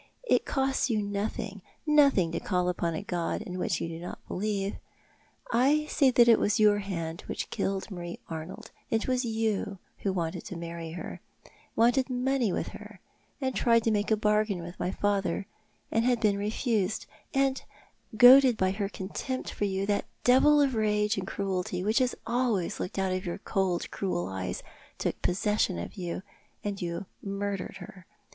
It costs you nothing, nothing to call upon a God in whom you do not believe. I say that it was your hand which killed Marie Arnold — it was you who wanted to marry her — wanted money with ber — had tried to make a bargain with my father, and had been refused— and, goaded by her contempt for you, that devil of rage and cruelty which has always looked out of your cold, cruel eyes, took possession of you, and you mur dered her.